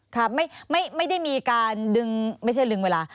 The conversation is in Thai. ค่ะไม่ได้มีการดึงไม่ใช่ลึงเวลา